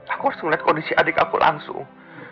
aku harus melihat kondisi adik aku langsung